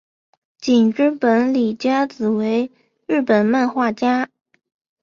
井之本理佳子为日本漫画家。